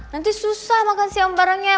nanti susah makan siang barengnya